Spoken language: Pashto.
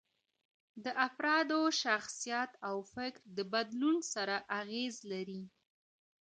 د افرادو شخصیت او فکر د بدلون سره اغیز لري.